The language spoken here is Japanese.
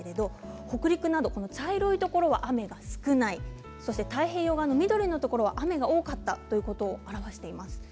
北陸など茶色いところは雨が少ない太平洋側の緑のところは雨が多かったということを表しています。